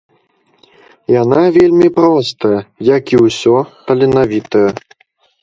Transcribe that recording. Яна вельмі простая, як і ўсё таленавітае.